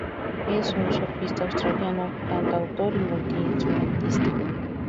Es un surfista australiano, cantautor y multinstrumentista.